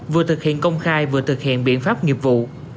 vừa thực hiện công khai vừa thực hiện biện pháp nghiệp vụ